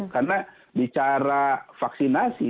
karena bicara vaksinasi